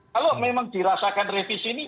kalau memang dirasakan revisi ini